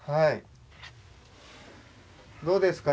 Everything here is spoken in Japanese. どうですか？